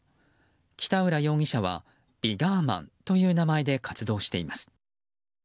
北浦容疑者は、ＶＩＧＯＲＭＡＮという名前で活動しています。